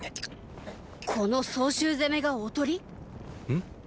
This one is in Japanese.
この曹州攻めが“おとり”⁉ん。